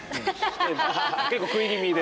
結構食い気味で。